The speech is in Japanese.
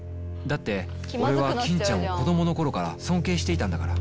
だって俺は欽ちゃんを子供の頃から尊敬していたんだから